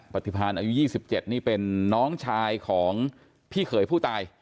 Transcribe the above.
ปฏิพันธ์อายุ๒๗นี่เป็นน้องชายของพี่เขยผู้ตาย